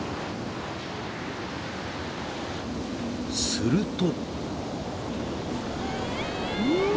［すると］